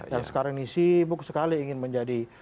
yang sekarang ini sibuk sekali ingin menjadi